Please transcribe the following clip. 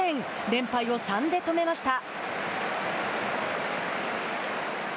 連敗を３で止めました。